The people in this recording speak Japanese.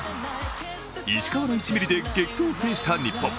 石川の１ｍｍで激闘を制した日本。